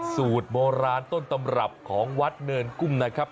สูตรโบราณต้นตำรับของวัดเนินกุ้งนะครับ